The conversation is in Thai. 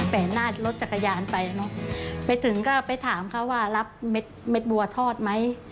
แต่หน้ารถจักรยานไปเนอะไปถึงก็ไปถามเขาว่ารับเม็ดบัวทอดไหม